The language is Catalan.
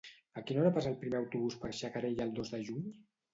A quina hora passa el primer autobús per Xacarella el dos de juny?